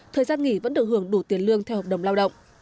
thời gian nghỉ vẫn được hưởng đủ tiền lương theo hợp đồng lao động